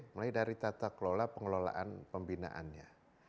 mulai dari tata kelola pengelolaan pembinaannya